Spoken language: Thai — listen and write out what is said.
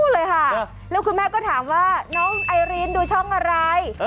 เลยค่ะแล้วคุณแม่ก็ถามว่าน้องไอรีนดูช่องอะไร